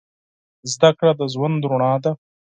زده کړه د ژوند رڼا ده.